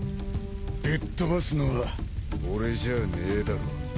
ぶっ飛ばすのは俺じゃねえだろ。